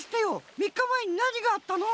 みっかまえになにがあったの？